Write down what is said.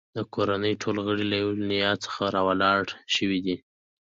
د کورنۍ ټول غړي له یوې نیا څخه راولاړ شوي دي.